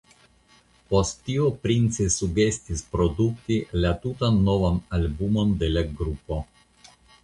Post tio Prince sugestis produkti la tutan novan albumon de la grupo.